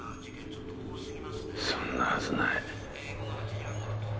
そんなはずない